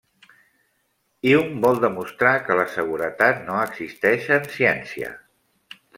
Hume vol demostrar que la seguretat no existeix en ciència.